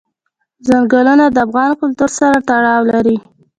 چنګلونه د افغان کلتور سره تړاو لري.